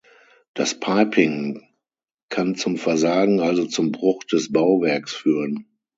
Das Piping kann zum Versagen, also zum Bruch des Bauwerks führen.